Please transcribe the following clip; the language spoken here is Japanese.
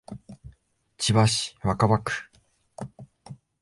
千葉市若葉区